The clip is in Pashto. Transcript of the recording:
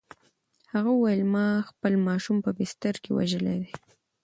هغې وویل: "ما خپل ماشوم په بستر کې وژلی دی؟"